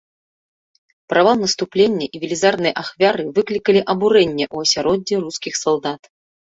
Правал наступлення і велізарныя ахвяры выклікалі абурэнне ў асяроддзі рускіх салдат.